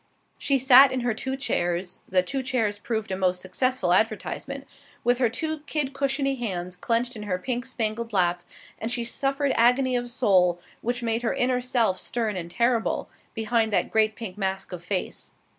She sat in her two chairs the two chairs proved a most successful advertisement with her two kid cushiony hands clenched in her pink spangled lap, and she suffered agony of soul, which made her inner self stern and terrible, behind that great pink mask of face.